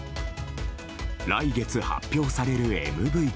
来月発表されるＭＶＰ。